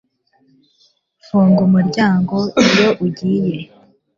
Funga umuryango iyo ugiye